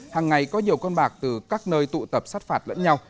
hàng ngày có nhiều con bạc từ các nơi tụ tập sát phạt lẫn nhau